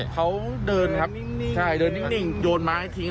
เขาเดินครับนิ่งโยนไม้ทิ้ง